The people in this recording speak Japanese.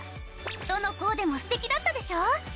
どのコーデもすてきだったでしょ？